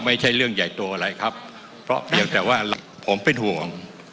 ไม่ใช่เรื่องใหญ่โตอะไรครับเพราะเพียงแต่ว่าผมเป็นห่วง